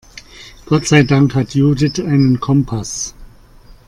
Gott sei Dank hat Judith einen Kompass.